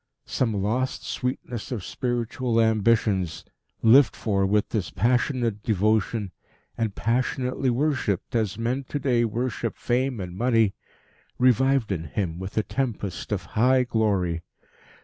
Some lost sweetness of spiritual ambitions, lived for with this passionate devotion, and passionately worshipped as men to day worship fame and money, revived in him with a tempest of high glory.